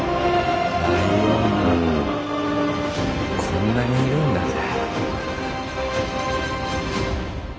こんなにいるんだぜ。